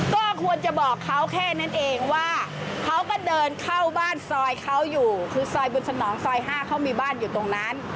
ก็ควรจะบอกเขาแค่นั้นเองว่าเขาก็เดินเข้าบ้านซอยเขาอยู่คือซอยบุญสนองซอย๕เขามีบ้านอยู่ตรงนั้น